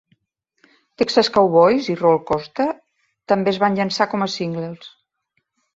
Texas Cowboys i Rollercoaster també es van llançar com a singles.